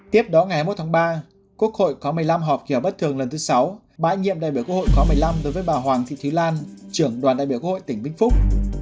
tiếp đó ngày hai mươi một tháng ba quốc hội có một mươi năm hợp kìa bất thường lần thứ sáu bãi nhiệm đại biểu quốc hội có một mươi năm đối với bà hoàng thị thúy lan trưởng đoàn đại biểu quốc hội tỉnh vinh phúc